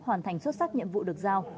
hoàn thành xuất sắc nhiệm vụ được giao